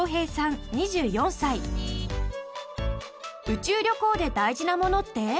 宇宙旅行で大事なものって？